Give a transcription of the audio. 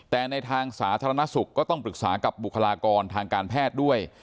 แต่ในทางสาธารณสุขก็ต้องปรึกษากับบุคลากรทางการแพทย์ด้วย